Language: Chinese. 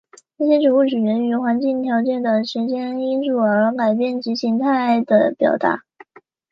一些植物取决于环境条件的时间因素而改变其形态的表达。